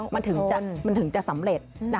มันถึงจะสำเร็จ